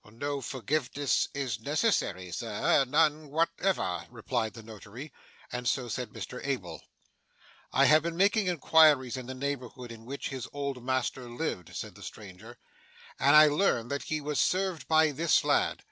'No forgiveness is necessary, sir; none whatever,' replied the Notary. And so said Mr Abel. 'I have been making inquiries in the neighbourhood in which his old master lived,' said the stranger, 'and I learn that he was served by this lad.